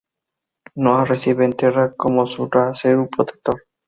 Noa recibe a Terra como su Ra-Seru protector.